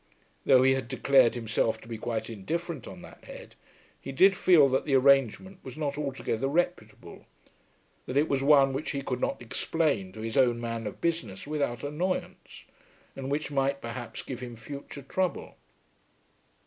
Though he had declared himself to be quite indifferent on that head, he did feel that the arrangement was not altogether reputable, that it was one which he could not explain to his own man of business without annoyance, and which might perhaps give him future trouble.